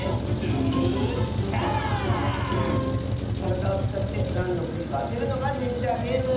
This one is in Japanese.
からだをつかってなんのフリかあてるのがジェスチャーゲーム！